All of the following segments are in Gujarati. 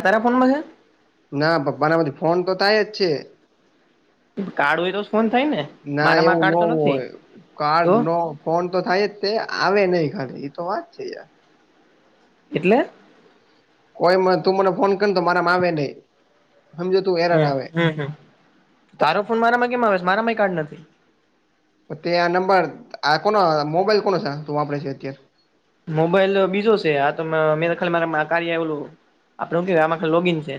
તારે ફોનમાં છેે? ના પપ્પાના માંથી ફોન તો થાય જ છે. કાર્ડ હોય તો. ફોન થાય ને ના, મારામાં એવું કાર્ડ નો તો નથી હોય તો કાર્ડ નો ફોન તો થાય જ તે આવે નહી ખાલી એ તો વાત છે યાર. એટલે કોએમાં તું મને ફોન કરને તો મારામાં આવે નહી, હમજ્યો હ હમ્મ હમ્મ, તારો ફોન મારામાં કેમ આવે છે મારામાંએ કાર્ડ નથી. તે આ નંબર આ કોનો મોબાઈલ કોનો છે તું વાપડે છે અત્યારે મોબાઈલ બીજો સે આતો મ મે ખાલી મારામાં કાર્યા ઓલું આપડે હું કે આમાં [unintelligible] લોગીન છે.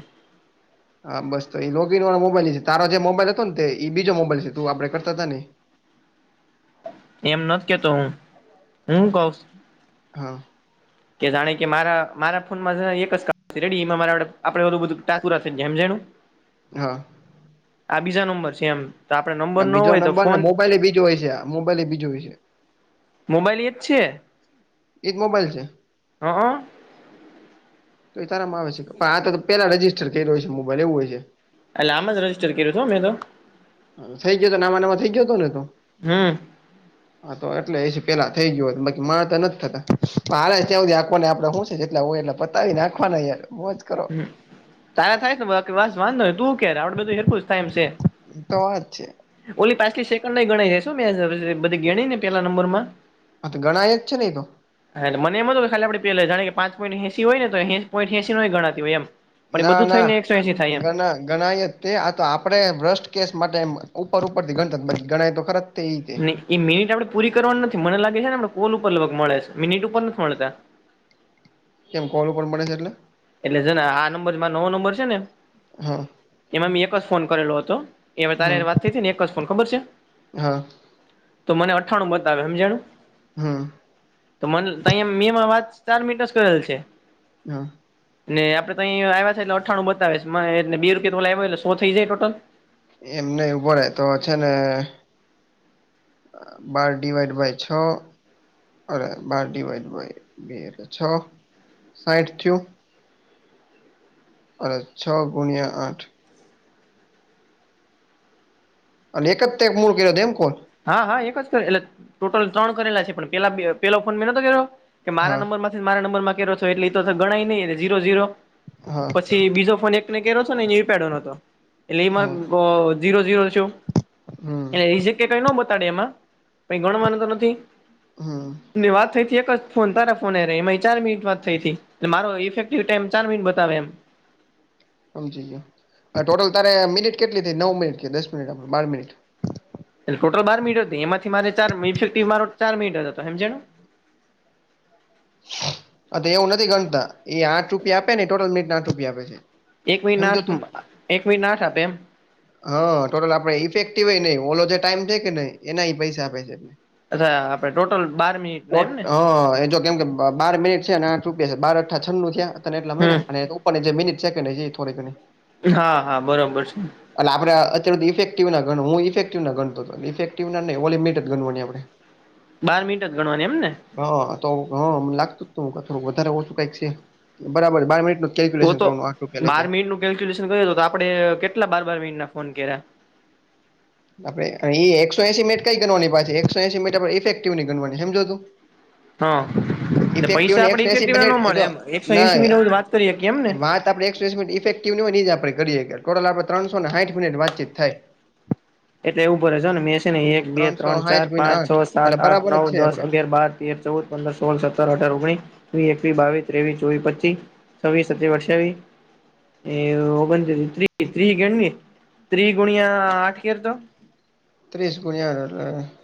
હા બસ તો એ લોગીન વાળો મોબાઈલ છે તાર જે મોબાઈલ હતો ને તે ઈ બીજો મોબાઈલ છે તું આપડે કરતાતા ને ઈ એમ નથ કેતો હું, હું કઉશ હા કે જાણે કે મારા મારા ફોનમાં [unintelligible] ને એક જ [inaudible] છે રેડી ઈમાં મારા આપડે આપડા ઓલુ બધું [unintelligible] પુરા થઈ જ્યાં હમજાણું. હા. આ બીજો નંબર છે એમ. તો આપડે નંબર આ ન બીજો હોય તો નંબર ને ફોન મોબાઈલ એ બીજો હોય છે, આ મોબાઈલે બીજો હોય છે. મોબાઈલ એ જ છે. એજ મોબાઈલ છે. હઅ. તો એ તારમાં આવે છે, [unintelligible] આ તો તે પેલા રજીસ્ટર કર્યો હશે, મોબાઈલ એવું હોય છે. એટલે આમ જ રજિસ્ટર કર્યો હતો હો મેં તો. થઈ ગયો તો નામા નામા થઈ ગયો હતો ને તો. હમ હા તો એટલે હશે પેલા થઈ ગયો હતો બાકી માર તો નથ થતા. [unintelligible] ત્યાં હુધી આખોને આપડે હુ છે જેટલા હોય એટલા પતાવી નાખવાના યાર મોજ કરો. હમ તારા થાય કે બાકી વાસ વાંધો તું કે આપડે બધું હેરકુ જ થાય એમ છે. તો જ. ઓલી પાંચથી સેકન્ડ ય ગણાય. શું ઓલી મે બધી ગણી ને પેલા નંબરમાં, અ હા તો ગણાય જ છે ને એ તો, હાલે મને એમ હતું કે ખાલી આપણે પેલા જા કે પાંચ પોઈન્ટ એંસી હોય ને તો એક પોઇન્ટ એંસી નય ગણાતી હોય એમ. પણ એ ના બધું ના થઈને એકસો એસી થાય એમ ગણા ગણાય જ, તે આ તો આપડે બૃસટ કેસ માટે ઉપર ઉપર થી ગણતા બધી ગણાય તો ખરા, તે રીતે નને એ મિનિટ આપડે પુરી કરવાનું નથી મને લાગે છે ને આપ કોલ ઉપર લગભગ મળે છે મિનિટ ઉપર નથી મળતા. કેમ કોલ ઉપર મળે છે એટલે? એટલે જેને આ નંબરમાં નવો નંબર છે ને હા એમાં મી એક જ ફોન કરેલો હતો. એ હવે તારી હમ હારે વાત થઈ હતી ને એક જ ફોન ખબર છે હા તો મને અઠ્ઠાણું બતાવે એ સમજાણું! હા, મન તયા મેં એમાં વાત ચાર મીનીટ જ કરેલ છે. હા, ને આપડે અહીંયા આવ્યા છે એટલે અઠ્ઠાણું બતાવેશ મ એટલે બે રૂપિયા તો ઓલા આવ્યો એટલે સો થઈ જાય ટોટલ. એમ નહી ઉભો રે તો છે ને, બાર ડીવાઈડ બાય છ, અરે બાર ડિવાઈડય બાય બે એટલે છ. સાઈઠ થયું અને છ ગુણ્યા આઠ, અને એક જ તે ફોન કર્યો હતો. એમ કોણ! હા હા એક જ કર એટલે ટોટલ ત્રણ કરેલા છે પણ પે પેલો ફોન મેં નતો કર્યો કે મારા હા નંબરમાં, મારા નંબર માં કર્યો છો એટલે ઈતો તો ગણાય નહીં, એટલે જીરો ઝીરો, હા, જે બીજો ફોન એકને ને કર્યો છે નેે એણે ઉપાડ્યો ન હતો એટલે એમાં હા જીરો જીરો, એટલે હમ એ જગ્યા કંઈ નો બતાડે એમાં પણ કઇ ગણવાનું તો નથી. હમ વાત થઈ હતી. એક જ ફોન તારા ફોન હારે. એમાંય ચાર મિનિટ વાત થઈ હતી, મારો ઇફેક્ટિવ ટાઈમ ચાર મિનટ બતાવે એમ. સમજી ગયો, ટોટલ તારે મિનિટ કેટલી થઈ? નવ મિનિટ કે દસ મિનિટ કે બાર મિનિટ. એ ટોટલ બાર મીનીટ હતી. એમાંથી મારે ચાર મીનીટ ઇફેક્ટીવ મારો ચાર મિનિટ જ હતો સમજાયું. એ એવું નથી ગણતા એ આઠ રૂપિયા આપે ને ટોટલ મિનિટ ના આઠ રૂપિયા આપે છે. એક મહિના સમજો તું આઠ, એક મિનીટ આઠ આપે એમ, હા ટોટલ આપડે ઇફેક્ટિવ ય નહીં ઓલો જે ટાઈમ થાય કે નહીં એના એ પૈસા આપે છે. અચ્છા આપડે ટોટલ બાર મિનિટના એમ ને, હા એ જો કેમ કે બાર મિનિટ છે અને આઠ રૂપિયા, બાર અઠા છન્નું થયા તને એટલા મળ્યા હમ અને પણ જે મિનિટ સે કે નહીં એય થોડી ઘણી, હા હા બરોબર છે. એટલે આપણે અત્યાર હુધી ઇફક્ટિવ ના ગણું હું ઇફે્ટિવ ના ગણતો હતો. ઇફેક્ટિવ ના નઇ ઓલી મિનિટ જ ગણવાની આપણે. [inaudible] બાર મિનટ જ ગણવાની એમ ને, હા તો હ લાગતું જ તું થોડું વધારે ઓછું કંઈક છે, બરાબર બાર મિનિટ નુ, કેલ્કુલેશન કરું આઠ રૂપિયા લે કે, કેલ્કુલેશન કર તો આપણે કેટલા બાર બાર મિનિટ ના ફોન કર્યા. આપડે ઈ એકસો એસી મિટ કઈ ગણવાની પાછી એકસો એસી મિનિટ આપડે ઈફેક્ટિવ ની ગણવાની સમજો તું, હા એટલે પૈસા ઇફેક્ટિવને આપડે એકસો એસી ઇફેક્ટિવના નો મિનિટ મળે જો એમ, એકસો એંસી મિનિટ ના આપણે વાત કરી શકીએ એમ ને, વાત આપણે એકસો એંસી મિનિટ ઈફેક્ટિવ ની હોય, ઈ જ આપણે કરીએ ટોટલ આપણે ત્રણ સોને સાઠ મિનિટ વાતચીત થાય. એટલે એ ઉભો રહેજે હો ને મે છે ને એક, બે, ત્રણસો ત્રણ, ચાર, સાઠ ગુણ્યા પાંચ, છ, આઠ સાત, એટલે આઠ, બરાબર જ નવ, છે દસ, આપડે અગિયાર, બાર, તેર, ચૌદ, પંદર, સોળ, સત્તર, અઠાર, ઓગણી, વીહ એકવી, બાવી, ત્રેવી, ચોવી, પચ્ચી, છવ્વી, સત્તયાવી, અઠ્ઠાવી, એ ઓગત્રિ ત્રિહ ગણ ની ત્રિહ ગુણિયા આઠ કર તો ત્રીસ ગુણીયા આઠ એટલે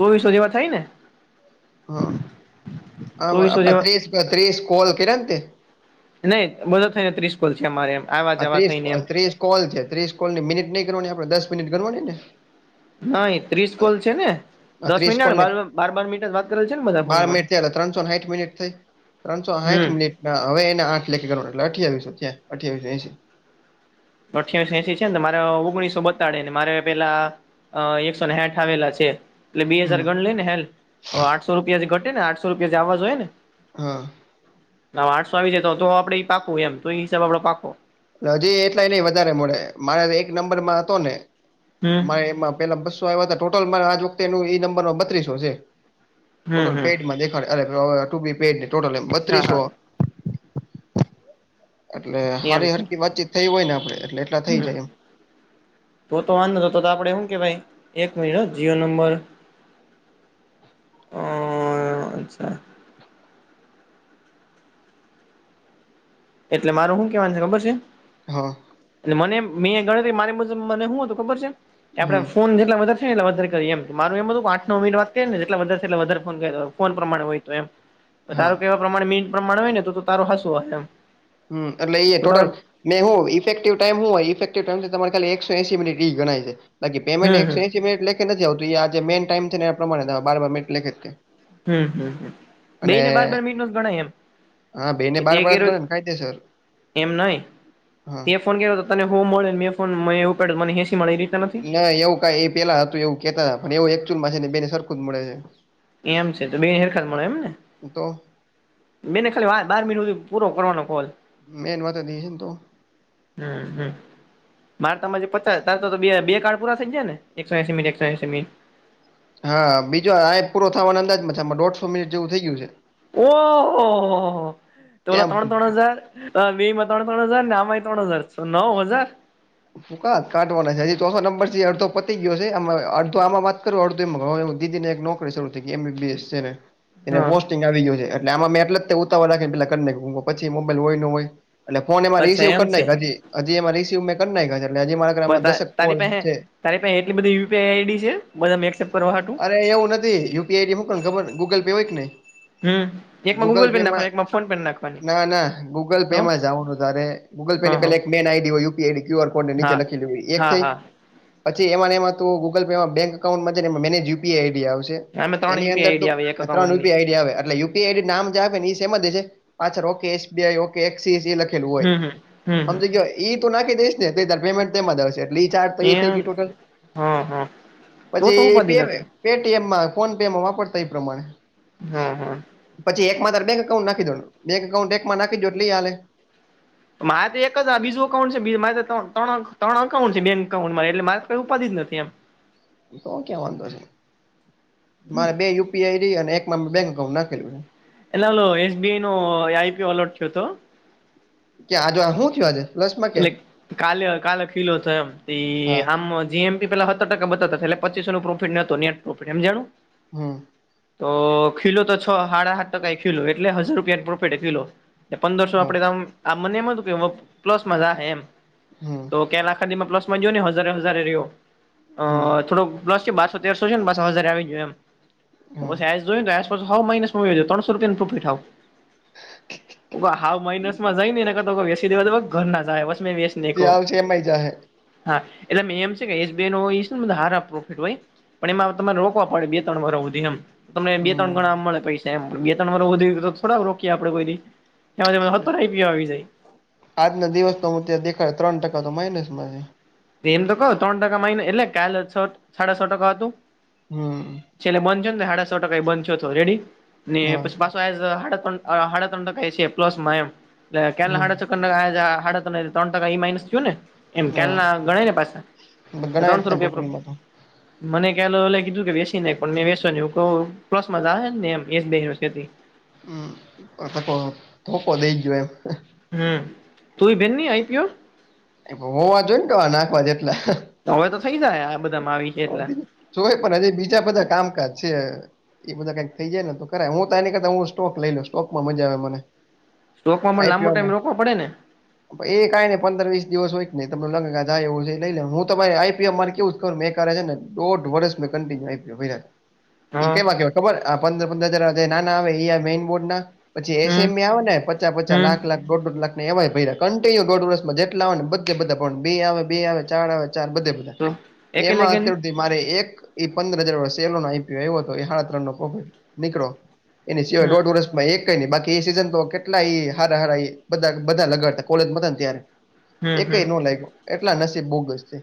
ચોવીસો જેવા થાય ને હા ચોવીસો આવા જેવા ત્રીસ ત્રીસ કોલ કિરિયા ને તે નઈ બધો થઈને ત્રીસ કોલ થીયાં મારે એમ આવા આ જવા ત્રીસ થઈને એમ ત્રીસ કોલ છે, ત્રીસ કોલની મિનિટ નઇ કરવાની આપણે દસ મિનિટ ગણવાની ને નઈ ત્રીસ કોલ છે ને આ દસ ત્રીસ મિનટ કોલ ને બાર બાર મિનટ જ વાત કરવાની છે ને બધા બાર ફોનમાં, મિનિટ થયા એટલે ત્રણસો સાઠ મિનિટ થઈ ત્રણસો સાયિટ હમ મિનિટ હવે એને આઠ લેખ કરવાના એટલે અઠ્યાવીસોયા, થિયા અઠ્યાવીસો એસી, અઠ્યાસી એસી છે ને મારે ઓગણીસો બતાળે ને મારે પેલા અ એકસો ને સાઇટ આવેલા છે. એટલે બે હજાર હમ ગણ લે ને હેન્ડ આઠસો રૂપિયાથી ઘટે ને આઠસો રૂપિયા જો આવા જોયેને હા, હા આઠસો આવી જાય તો આપડે ઈ પાકું એમ તો હિસાબ આપડો પાકો, હજી એટલા એ નહીં વધારે મળે મારે એક નંબર માં હતો ને હમ મારે એમાં પેલા બસ [unintelligible] લોટલ આ વખતે એ નંબર બત્રીસો છે હમ ટોટલ હમ પેડમા દે [unintelligible] ટોટલ એમ હા હા બત્રીસો એટલે સારી હરકી વાતચીત થઈ હોય ને આપણે એટલે એટલા થઈ હમ્મ જાય એમ તો તો વાંધો તો આપણે શું કેવાય એક મહીનો જીઓ નંબર અ અચ્છા એટલે મારું શું કેવાન છે ખબર છે? હા મને મેં ગણતરી મારી મુજબ મને શું હતું ખબર છે કે હમ, આપણે ફોન જેટલા વધાર એટલે વધારે કરી એમ માર એમ હતું આઠ નવ મિટ વાત કરીને જેટલાં વધારે ફોન થાય એટલા વધારે કરીએ પ્રમાણ હોય તો એમ [inaudible] તારું કેવા પ્રમાણે મીનટ પ્રમાણ હોય ને તો તારું હાસુ હશે એમ. હમ્મ એટલે એ તો તારે ટોટલ મે હું ઇફે્ટિવ ટાઈમ શું હોય ઇફે્ટીવ ટાઈમ તમાર ખાલી એકસો એસી મિનીટ ઈ ગણાય છે બાકી પેમેન્ટ હમ એકસો હમ એસી મિનીટ લેખે નથી આવતું આ જે મેન ટાઈમ છે ને એ પ્રમાણે બાર બાર મિનીટ લેખે હમ... અને બેઈ ને બાર બાર મિનીટનું ગણાય એમ હા બેને કે બાર તે બાર જ કય ગણે ને કાયદેસર એમ નઈ હા. તે ફોન કેવો તો તને સો મળે મે ફોન મે ઉપાડ્યો મને હેસી મળે એ રીત ના એવું કાય એ પેલા હતું એવું કેતા હતા પણ એવું એકચુલમાં છે ને બેને સરખું જ મળે છે. એમ છે તો બેને સરખા મળે એમ ને હું તો.... મેને ખાલી બાર મિનીટ સુધી પુરો કરવાનો કોલ. મેન વાત ઈ હે તો હમ્મ હમ્મ..... મારે ત પચાસ તાર તો બે કાર્ડ પૂરા થઈ જાય ને એકસો એસી મીનીટ એકસો એસી મિનીટ હા બીજો આ એક પૂરો થવાનો અંદાજમાં દોઢસો મિનિટ જેવું થઇ ગયું છે. ઓહહહ.... તો અલા કેમ ત્રણ ત્રણ હજાર અ બેમાં ત્રણ ત્રણ હજારને આમાંય ત્રણ હજાર નવ હજાર. ફૂંકા કાઢવાના છે હજી તો ચોસો નંબર અડધો પતી ગયો છે. આમ અડધો આમાં વાત કરું અડધો. દીદીને એક નોકરી શરૂ થઈ. એમબીબીએસ છે ને. એને હા પોસ્ટિંગ આવી ગ્યો છે. એટલે આમાં મેં એટલે જ તે ઉતાવળ રાખીને પેલા કર નાઈખું. પછી મોબાઈલ હોય ન હોય. એટલે ફોન એમાં અચ્છા રીસીવ કર એમ નાયખા છે. હજી હજી એમાં રિસીવ મેં કર નાયખા છે, એટલે હજી એમા બ તા, તારી પાંહે તારી પાંહે એટલી બધી યુપીઆઈ આઈડી છે? બધાનું એક્સેપ્ટ કરવા હાટું? ના, એવું નથ એ યુપી આઈડી મોકલ. ખબર, ગૂગલ પે હોય કે નહીં. હમ એકમાં ગૂગલ પે પેમાં? નાખવાની એકમાં ફોન પે નાખવાની ના, ના. ગૂગલ પે તો માં જાવું વધારે. ગૂગલ પે હા ને હા પેલા એક મેઈન આઈડી હોય. યુપીઆઈડી ક્યુ આરની નીચે હા લખી હોય. એક હા થઈ. હા પછી એમાં ને એમાં તો ગુગલ પેમાં બેંક એકાઉન્ટમાં જઈને એમાં મેનેજ યુપીઆઈ આઈડી આવશે. અમે ત્રણ એની અંદર યુપીઆઈ તો આઈડી આવે એક આ ત્રણ અકાઉન્ટની યુપી આઈડી આવે. એટલે યુ પીઆઈડી નામ જે આપે ને, એ સેમ જ હશે. પાછળ ઓકે એસબીઆઈ, ઓકે એક્સીસ એ લખી લું હોય. હમ હમ હમ હમ સમજી ગ્યો? ઈ તું નાખી દઈશ ને તો ય તારે પેમેન્ટ તો એમાં જ આવશે. તો ઈ ચાર તો એ થઈ ગઈ એમ ટોટલ. હા હા તો તો પછી એ ઉપાધિ પીમ નથી પેટીએમમાં ફોન પેમાં વાપરતા હોય, એ પ્રમાણે. હા હા પછી એક માં તારે બેંક એકાઉન્ટ નાખી દેવાનું. બેંક એકાઉન્ટ એકમાં નાખી દ્યો એટલે એ હાલે. મારે તો એક જ આ બીજું અકાઉન્ટ છે. બી મારે તો ત્રણ ત્રણ તણ અકાઉન્ટ છે બેન એકાઉન્ટમા. એટલે મારે ત કઈ ઉપાધિ જ નથી એમ. તો ક્યાં વાંધો છે? મારે બે યુપીઆઈડી અને એકમાં મેં બેંક અકાઉન્ટ નાખેલું છે. એલે હલો એસબીઆઈનો આઈપીઓ અલોટ થ્યો તો. કે આ જો આ હું થ્યું આજે? પ્લસમાં કે એટલે કાલે, અ કાલે ખીલો થયો એમ હા હામ્મો જ. જીમીપી પેલા હત્તર ટકા બતાવતા તા, એટલે પચીસોનો પ્રોફેટ નતો નેટ પ્રોફીટ. હેમજાણું? હમ્મ. તો ખીલો તો છ હાડા હાત ટકાએ ખીલો. એટલે હઝાર રૂપિયાનો પ્રોફિટે ખીલો. એ પંદરસો હા આપડે આમ, આ મને એમ હતું કેવ પ્લસ માં જાહે એમ. હમ્મ. ક્યા ના આખાદી માં પ્લસ માં ગ્યો, ને હઝારે હઝારે ર્યો. અ હમ થોડો પ્લસ કે બારતો તેરસો છેન, બાસ હઝારે આવી ગ્યો એમ. હા આઇસ જોઇન રાઇસ. તો તો હાવ માઈનસમાં વયો જાય. ત્તણસો રૂપિયાનો પ્રોફિટ હાવ. અવ હાવ માઇનસ માં ઝાય ને, એના કરતા તો વેસી દેવા. ઘર ના ઝાય એવા છ. મે વેસ જે નાયખો. આવશે એમાંય જાહે હા, એટલે મેં એમ સે કે, એસબીઆઈ નો હોઈ ઈ સે ન બધા હારા પ્રોફિટ હોય. પણ એમાં હવ તમારે રોકવા પડે, બે ત્તણ વરહ હુધી એમ. તમને બે ત્તણ હમ ગણા મળે પૈસા એમ. પણ બે ત્તણ વરહ હુધી તો થોડા રોકીયે આપડે કોઈ દી? એમાં તો હત્તર આઈપીઓ આવી ઝાય. આજનો દિવસ તો હું ત્યાં દેખાય, ત્રન ટકા તો માઇનસ માં હે. તી એમ તો કવ. તણ ટકા માઈનસમાં એટલે, કાલે છટ સાડા છ ટકા હતું. હમ્મ. છેલ્લે બન થ્યો ને ત હાડા સ ટકાએ બન થ્યો તો. રેડી? ને હા પસી પાસ પ્રાઇઝ હાડા તન, અ હાડા તન ટકા એ છે પ્લસમાં એમ હમ [unintelligible] તણ ટકા ઈ માઇનસ થ્યુ ને? એમ. હા કાલના ગણાય ને પાસા? ત ગણાય જ તણસો ને રૂપિયા પ્રોફિટ. ટોટલમાં તો મને કે કાલે ઓલાએ કીધું કે વેસી નાયખો, ને પણ વો એ પ્લસ માં જાહે જ ને? એક બે [unintelligible] હમ [unintelligible] ધોકો દઈ ગ્યો એમ. હમ્મ. તું ય ભેરની આઈપીયો? એમાં હોવા જોઈને, તમા નાખવા જેટલા. તો હવે તો થઈ ઝાહે, આ બધામાં આવી. છે એટલે ચોય પર હજી બીજા બધાય કામકાજ છે. ઈ બધા કઈક થઈ જાય ને તો કરાય હું તો આની કરતા હું સ્ટોક લઈ લઉ સ્ટોકમાં મજા આવે મને સ્ટોકમાં મન લાંબો આઈપીઓમાં ટાઈમ રોકવા પડે ને એ કાય ને પંદર વીસ દિવસ હોય ત ને તમને લાગે જાય એવું છે એ લઈ લેવાનુ હું તમારે આઈપીયો મારે કેવું સ ખબર એકહારે હેને દોઢ વળસ મેં કન્ટિન્યુ આઈપીઓ ભયરા ઈ હા કેવા કેવા ખબર આ પંદર પંદર હજાર નાના આવે આ મેઈન બોડ ના પછી હમ એસેએમી આવે ને પચા પચા હમ લાખ લાખ ડોડ ડોડ લાખ મેં એવાય ભયરા કન્ટિયુ દોઢ વરસમાં જેટલા આવે ને બધે બધા પણ બે આવે બે આવે ચાર આવે ચાર બધે બધા તો એકે એેમા લગે ને અત્યાર હુંધી મારે એક ઈ પંદર હજાર વારો સેલો નો આઈપીઓ આયવો તો સાળા ત્રન નો પ્રોફિટ નીકળો એની સિવાય હમ દોઢ વરસ માએકેય ની બાકી એ સિઝન તો કેટલા ઈ હારા હારાઈ બધા બધા લગાડતા કોલેજમાં હતા ત્યારે હમ એકેય નો હમ લાયગો એટલા નસીબ બોગસ છે.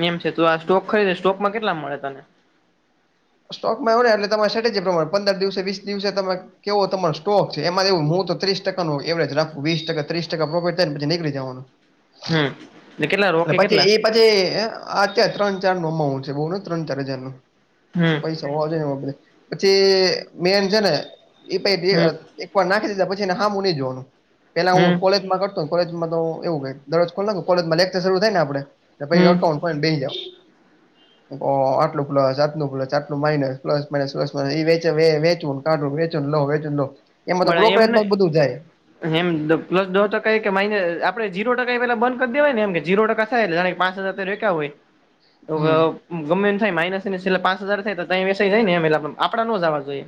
મેમ છે તું આ સ્ટોક ખરીદે સ્ટોકમાં કેટલા મળે તને સ્ટોકમાં આવુ નઈ એટલે તમારે સેટેજી પ્રમાણે પંદર દિવસે વીસ દિવસે તમે કેવો તમારો સ્ટોક છે એમાં એવું હું તો ત્રીસ ટકાનું એવરેજ રાખું વીહ ટકા ત્રીહ ટકા પ્રોફેટ થાય ને પછી નીકળી જાવાનું હમ્મ એટલે રોકે કેટલા પરે અત્યારે ત્રણ ચાર મોમા હું છે બઉ નથ ત્રણ ચાર હજાર નું હમ્મ. છો છે ને મને પછી મેન છે ને ઈપયદિ હમ એક વાર નાખી દીધા પછી એના હામુ નય જોવાનું પેલા હમ હું કોલેજમાં કર કોલેજમાં તો એવું કે દરરોજ કોલ નાખું કોલેજમાં શરૂ લેકચર શરૂ થાયને આપળે ને પહી હમ અકાઉન્ટ પણ બેહી જાવ ઓ આટલું પ્લ જાવ પ્લ આટલું માઇનસ પ્સ માનસ પલસસ એ વચ વેચ કા વેચ લો વેચન લો એમાં તો મારે એમ નઈ બ્રોકરેજમાં જ બધું જાય એમ પ્લસ દ ટકા એ કે માઇનસ આપડે જીરો ટકા એ પેલા બંધ કરી દેવાય ને એમ કે જીરો ટકા થાય જ્યારે પાચ હજાર રોકયા હોય તો હમ ગમે થાય માઇનસ છેલ્લા પાચ હજાર થાય તો વે થાય ને એ આપડા નો જવા જોઈએ.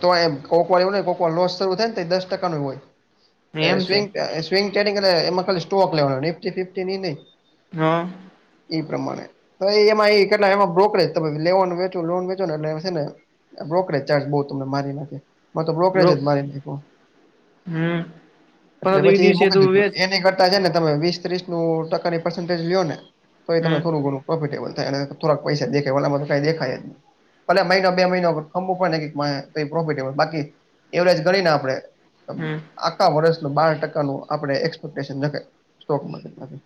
તો કોકવાર એવું કોકવાર લોસ થાય ને દસ ટકા નો હોય એમ જ્યારે છે સ્વિંગ સ્વિંગ ચેટિંગ એમાં ખાલી સ્ટોક લેવાનો નિફ્ટી ફિફ્ટી ઈ નઈ હા. એ પ્રમાણે એમાં કેટલા એમાં કેટલા બ્રોકરેજ તમેેે લોન વેચો ને એટલે છે ને બોકરેજ ચાર્જ તમને તમને બઉ મારી નાખે માર તો બ્રોકરેજ બ્રો મારી નાયખો હમ એટલે પણ પછી એ દિવસે તું મૂકીધુ વેચ એની કર ને તમે વીસ ત્રીસ નું ટકાની પર્સેન્ટેગ લો ને તો ઈ હમ થોડું ઘણું પ્રોફિટેબલ થાય અને થોડાક પૈસા દેખાય ઓલમા તો કાઈ દેખાય જ નહી પેલા મહિના બે મહિનો અમુક [unintelligible] પ્રોફિટેબલ બાકી એવરેજ ગણીને આપડે હમ આખું એક વર્ષનું બાર ટકાનું આપણે એક્સપેક્ટેશના થાય સ્ટોક માકેર્ટમાંથી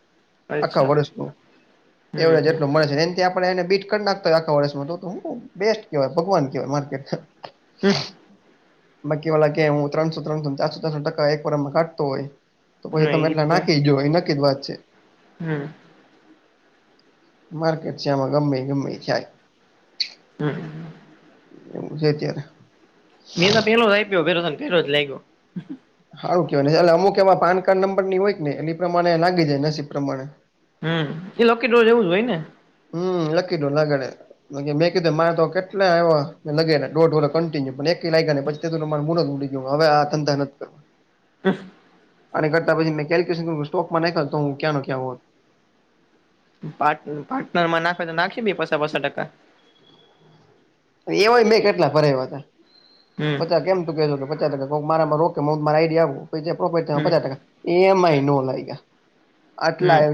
આખા અચ્છા વર્ષનું હમ એવરેજ હમ એટલું મળે છે ને ત્યાં આપને બીટ કરી નાખતા હોય આખા વર્ષમાં તો બેસ્ટ કવાય ભગવાન કેવાય માર્કેટ હમ્મ. બાકી ઓલા કે હું ત્રણસો ત્રણસો ચારસો ચારસો ટકા એક વાર માં કાઢતો હોય. તો પછી તમે નહી એટલા તો નાખી જો એ નક્કી જ વાત છે- - હમ. માર્કેટ છે આમાં ગમે ગમેએ થાય. હમ. એમ છે ત્યારે- - મેં તો પેલો જ આપીઓ ભર્યો તો ને પેલો જ લાઈગો. હારું કેવાય એટલે અમુક એમાં પાન કાર્ડ નંબર ની હોય ને એ પ્રમાણે લાગી જાય નસીબ પ્રમાણે. હમ એ લકી ડ્રો જેવુ જ હોય ને- - હમ લકી ડ્રો લગાડે. મેં કીધું મારે તો કેટલા એવા લગાડીયા દોઢ વર્ષ કન્ટિન્યુ પણ એક લાગે ને પછી- - તેદીનું મારું મૂળ ઉડી ગયું હવે આ ધંધા નથી કરવા. [inaudible] અને કરતા પછી મેં કેલ્ક્યુલેશન સ્ટોકમાં નાયખા હોતો હું ક્યા નો કયા હોત. પાર્ટનર માં નાખવા હોય તો નાખી બેય પસા પસા ટકા- - એવાય મેં કેટલા ભરાવીયા હમ પચા કેમ તું કે તો તો- - કોક મારાં મા રોકે હું મારૂં આઈડિ આપુ પછી પ્રોફિટથાય એના. હમ પચાસ ટકા. એ માઇ નો લાયગ ગયા આટલા હમ આવ- -